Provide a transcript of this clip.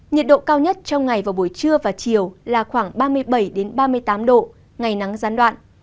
nhiệt độ cao nhất trong ngày vào buổi trưa và chiều là khoảng ba mươi bảy ba mươi tám độ ngày nắng gián đoạn